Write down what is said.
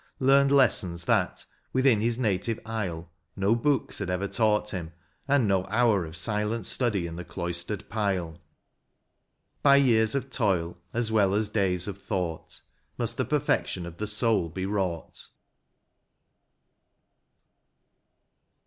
Learned lessons that, within his native isle. No books had ever taught him, and no hour Of silent study in the cloistered pile. By years of toil, as well as days of thought, Must the perfection of the soul be wrought.